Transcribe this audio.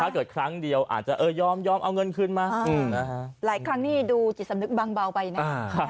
ครั้งเดียวอาจจะยอมเอาเงินคืนมาหลายครั้งนี่ดูจิตสำนึกบางเบาไปนะ